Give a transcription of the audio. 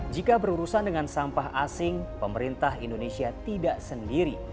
jika berurusan dengan sampah asing pemerintah indonesia tidak sendiri